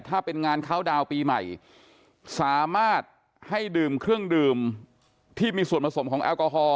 ถ้าเป็นงานเข้าดาวน์ปีใหม่สามารถให้ดื่มเครื่องดื่มที่มีส่วนผสมของแอลกอฮอล